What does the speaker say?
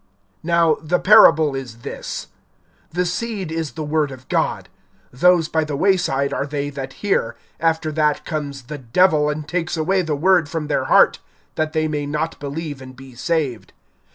(11)Now the parable is this: The seed is the word of God. (12)Those by the way side are they that hear; after that comes the Devil, and takes away the word from their heart, that they may not believe and be saved.